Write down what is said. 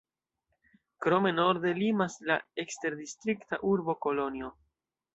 Krome norde limas la eksterdistrikta urbo Kolonjo.